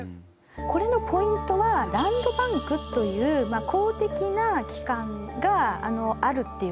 これのポイントはランドバンクという公的な機関があるっていうことなんですね。